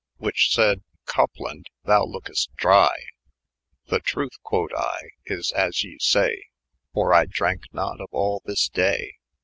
Which sayd, " Copland, thou lokest drye I" " The truth," quod I, " is as ye say j For I drank not of all thys day."